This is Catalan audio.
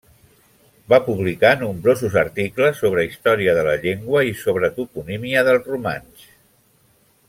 Va publicar nombrosos articles sobre història de la llengua i sobre toponímia del romanx.